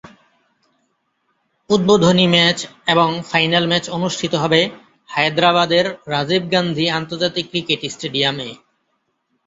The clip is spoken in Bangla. উদ্বোধনী ম্যাচ এবং ফাইনাল ম্যাচ অনুষ্ঠিত হবে হায়দ্রাবাদের রাজীব গান্ধী আন্তর্জাতিক ক্রিকেট স্টেডিয়াম-এ।